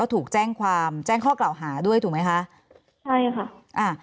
ถูกแจ้งความแจ้งข้อกล่าวหาด้วยถูกไหมคะใช่ค่ะอ่า